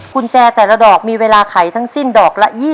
กุญแจแต่ละดอกมีเวลาไขทั้งสิ้นดอกละ๒๐